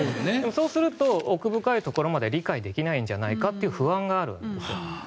そうすると奥深いところまで理解できないんじゃないかという不安があるんです。